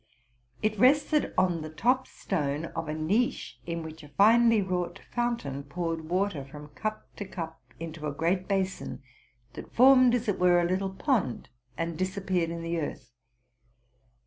It rested on the top stone of a niche, in which a finely wrought fountain poured water from cup to cup into a great basin, that formed, as it were, a little pond, and dis appeared in the earth.